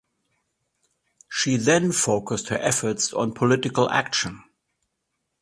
She then focused her efforts on political action.